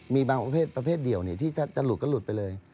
มีแบบประเภทเดียวที่ถ้าจะหลุดก็หลุดไปเลย